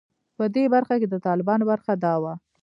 په دې برخه کې د طالبانو برخه دا وه.